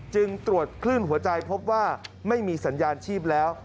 จึงตรวจคลื่นหัวใจพบว่าไม่มีสัญญาณชีพแล้ว